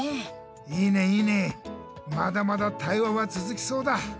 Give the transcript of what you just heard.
いいねいいねまだまだ対話はつづきそうだ。